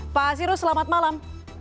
pak sirus selamat malam